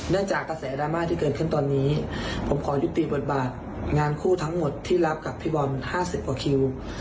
จากกระแสดราม่าที่เกิดขึ้นตอนนี้ผมขอยุติบทบาทงานคู่ทั้งหมดที่รับกับพี่บอล๕๐กว่าคิว